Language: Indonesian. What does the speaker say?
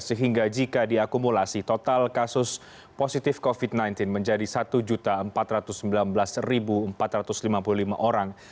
sehingga jika diakumulasi total kasus positif covid sembilan belas menjadi satu empat ratus sembilan belas empat ratus lima puluh lima orang